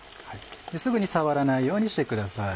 すぐに触らないようにしてください。